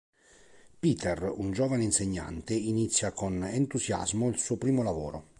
Péter, un giovane insegnante, inizia con entusiasmo il suo primo lavoro.